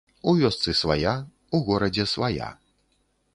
У вёсцы свая, у горадзе свая.